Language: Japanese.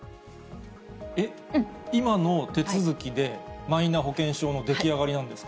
えっ、今の手続きで、マイナ保険証の出来上がりなんですか？